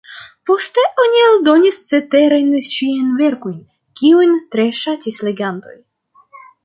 Poste oni eldonis ceterajn ŝiajn verkojn, kiujn tre ŝatis legantoj.